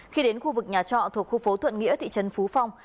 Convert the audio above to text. khi đến khu vực nhà trọ thuộc khu phố thuận nghĩa thị trấn phú phong